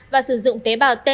và sử dụng tế bào t